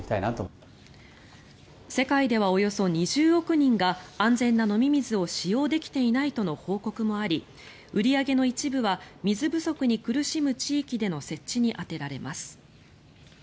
世界ではおよそ２０億人が安全な飲み水を使用できていないとの報告もあり売り上げの一部は水不足に苦しむ地域での設置に充てられます。